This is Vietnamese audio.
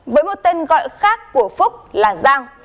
với một tên gọi khác của phúc là giang